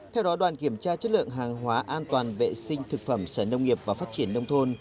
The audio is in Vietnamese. theo đó đoàn kiểm tra chất lượng hàng hóa an toàn vệ sinh thực phẩm sở nông nghiệp và phát triển nông thôn